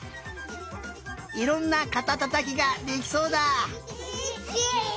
いろんなかたたたきができそうだ。